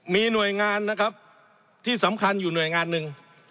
มีหน่วยงานนะครับที่สำคัญอยู่หน่วยงานหนึ่ง